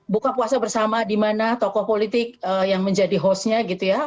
buka puasa bersama di mana tokoh politik yang menjadi hostnya gitu ya